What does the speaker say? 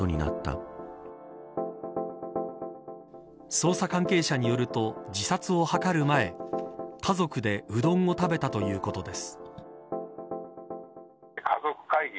捜査関係者によると自殺を図る前家族でうどんを食べたということです。